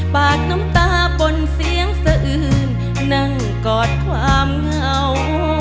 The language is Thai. ปากน้ำตาปนเสียงสะอืนนั่งกอดความเหงา